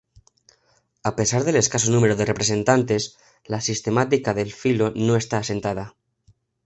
A pesar del escaso número de representantes, la sistemática del filo no está asentada.